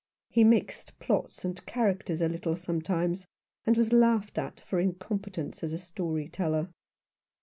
He mixed plots and characters a little sometimes, and was laughed at for incompetence as a story teller.